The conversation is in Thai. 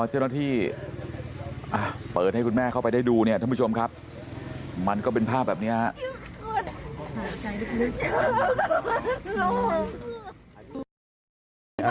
เจ้าหน้าที่เปิดให้คุณแม่เข้าไปได้ดูเนี่ยท่านผู้ชมครับมันก็เป็นภาพแบบนี้ครับ